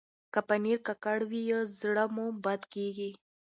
که پنېر ککړ وي، زړه مو بد کېږي.